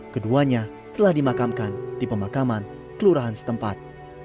keduanya telah dimakamkan di pemakaman kelurahan setempat